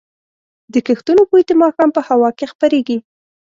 د کښتونو بوی د ماښام په هوا کې خپرېږي.